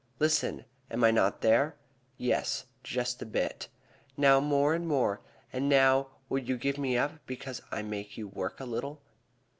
Listen! Am I not there? Yes, just a bit. Now more and more, and now will you give me up because I make you work a little?"